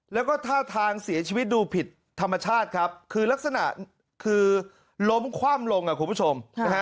แล้วก็ท่าทางเสียชีวิตดูผิดธรรมชาติครับคือล้มคว่ำลงครับคุณผู้ชม